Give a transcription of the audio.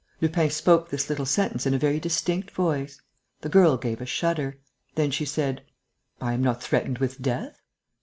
Lupin spoke this little sentence in a very distinct voice. The girl gave a shudder. Then she said: "I am not threatened with death."